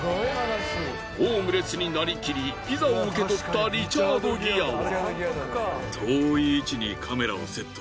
ホームレスになりきりピザを受け取ったリチャード・ギアは。